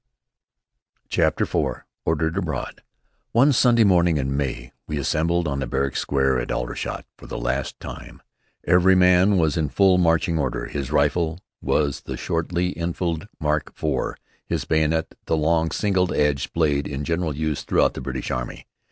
CHAPTER IV ORDERED ABROAD One Sunday morning in May we assembled on the barrack square at Aldershot for the last time. Every man was in full marching order. His rifle was the "Short Lee Enfield, Mark IV," his bayonet, the long single edged blade in general use throughout the British Army.